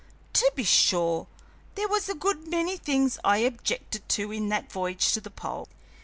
To be sure, there was a good many things that I objected to in that voyage to the pole.